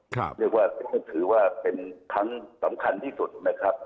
เรียกว่าถือว่าเป็นครั้งสำคัญที่สุดนะครับ